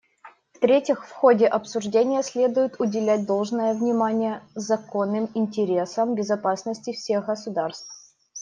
В-третьих, в ходе обсуждения следует уделять должное внимание законным интересам безопасности всех государств.